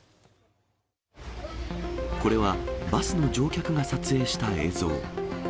これはバスの乗客が撮影した映像。